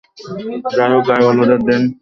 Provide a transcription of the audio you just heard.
যাই হোক, গায়ে হলুদের দিন খুব রঙ খেলা হলো।